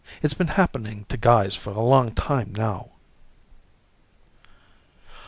It's been happening to guys for a long time, now.